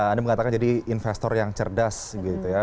anda mengatakan jadi investor yang cerdas gitu ya